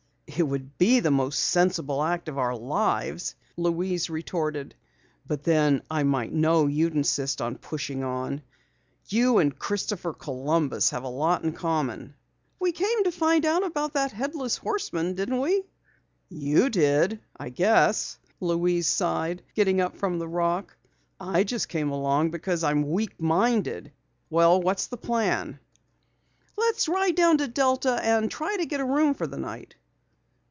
"It would be the most sensible act of our lives," Louise retorted. "But then I might know you'd insist on pushing on. You and Christopher Columbus have a lot in common!" "We came to find out about that Headless Horseman, didn't we?" "You did, I guess," Louise sighed, getting up from the rock. "I just came along because I'm weak minded! Well, what's the plan?" "Let's ride down to Delta and try to get a room for the night."